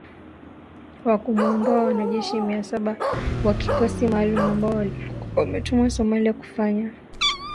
wa kuwaondoa wanajeshi mia saba wa kikosi maalum ambao walikuwa wametumwa Somalia kufanya